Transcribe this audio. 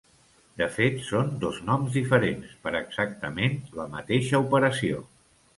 De fet són dos noms diferents per exactament la mateixa operació.